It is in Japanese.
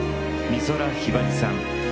美空ひばりさん。